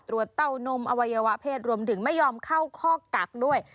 เตานมอวัยวะเพศรวมถึงไม่ยอมเข้าข้อกักด้วย